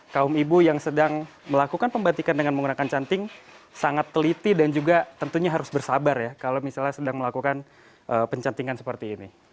kaum ibu yang sedang melakukan pembatikan dengan menggunakan canting sangat teliti dan juga tentunya harus bersabar ya kalau misalnya sedang melakukan pencantingan seperti ini